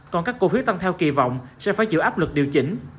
còn các cổ phiếu tăng theo kỳ vọng sẽ phải chịu áp lực điều chỉnh